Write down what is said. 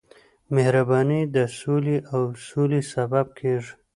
مهرباني د سولې او سولې سبب کېږي.